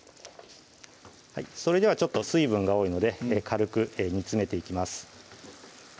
それではちょっと水分が多いので軽く煮詰めていきます